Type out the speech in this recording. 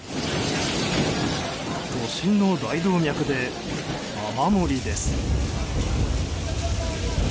都心の大動脈で雨漏りです。